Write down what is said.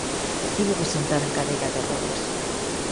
Tivo que sentar en cadeira de rodas.